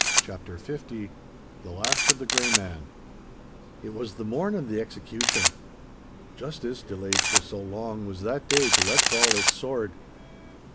*CHAPTER L* *THE LAST OF THE GREY MAN* It was the morn of the execution. Justice, delayed for long, was that day to let fall its sword.